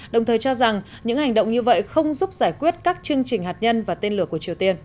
đồng thời cho rằng những hành động như vậy không giúp giải quyết các chương trình hạt nhân và tên lửa